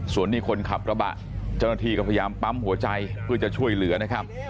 ส่วนนี้คนขับกระบะเจ้าหน้าที่ก็พยายามปั๊มหัวใจเพื่อจะช่วยเหลือนะครับ